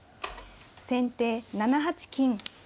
先手７八金。